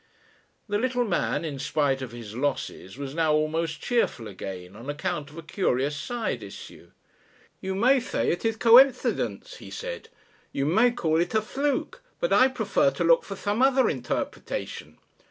The little man, in spite of his losses, was now almost cheerful again on account of a curious side issue. "You may say it is coincidence," he said, "you may call it a fluke, but I prefer to look for some other interpretation!